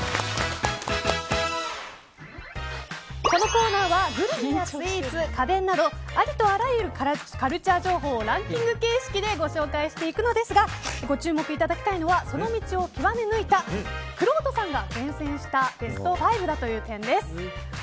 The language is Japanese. このコーナーはグルメやスイーツ、家電などありとあらゆるカルチャー情報をランキング形式でご紹介していくのですがご注目いただきたいのはその道を究め抜いたくろうとさんが厳選したベスト５だという点です。